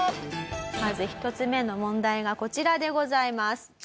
まず１つ目の問題がこちらでございます。